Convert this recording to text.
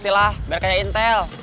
kalau semak gospit